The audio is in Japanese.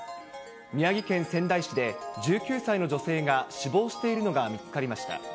宮城県仙台市で、１９歳の女性が死亡しているのが見つかりました。